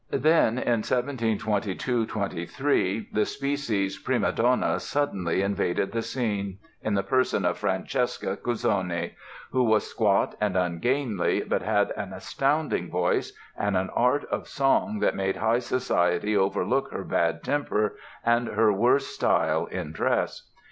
Then, in 1722 23, the species prima donna suddenly invaded the scene, in the person of Francesca Cuzzoni, who was squat and ungainly, but had an astounding voice and an art of song that made high society overlook her bad temper and her worse style in dress.